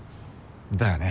だよね。